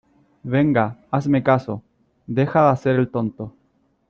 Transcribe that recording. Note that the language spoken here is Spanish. venga, hazme caso. deja de hacer el tonto